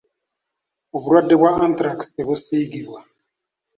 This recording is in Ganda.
Obulwadde bwa Anthrax tebusiigibwa.